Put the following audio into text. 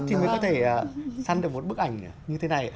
thì mới có thể săn được một bức ảnh như thế này ạ